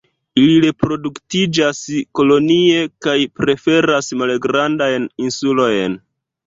Ili reproduktiĝas kolonie kaj preferas malgrandajn insulojn.